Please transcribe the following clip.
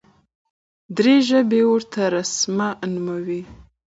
دري ژبي ورته سرمه نوموي.